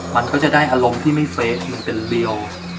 มันก็จะได้อารมณ์ที่ไม่เฟคมันเป็นเรียว